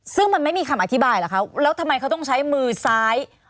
ซึ่งมันไม่มีคำอธิบายเหรอคะแล้วทำไมเขาต้องใช้มือซ้าย